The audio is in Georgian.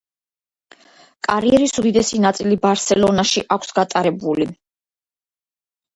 კარიერის უდიდესი ნაწილი „ბარსელონაში“ აქვს გატარებული.